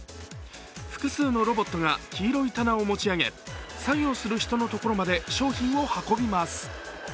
複数のロボットが黄色い棚を持ち上げ、作業する人のところまで商品を運びます。